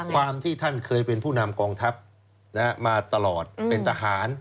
ความที่ท่านเคยเป็นผู้นำกองทัพมาตลอดเป็นทหาร